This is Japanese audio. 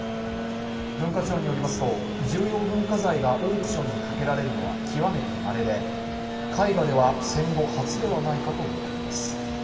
文化庁によりますと重要文化財がオークションにかけられるのは極めてまれで絵画では戦後初ではないかということです。